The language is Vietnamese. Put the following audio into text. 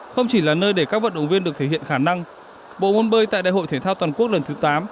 không chỉ là nơi để các vận động viên được thể hiện khả năng bộ môn bơi tại đại hội thể thao toàn quốc lần thứ tám